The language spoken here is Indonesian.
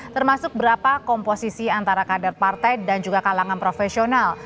termasuk berapa komposisi antara kader partai dan juga kalangan profesional